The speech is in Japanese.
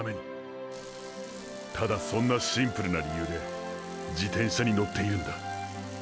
ただそんなシンプルな理由で自転車に乗っているんだ。